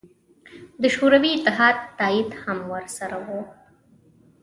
د شوروي اتحاد تایید هم ورسره و.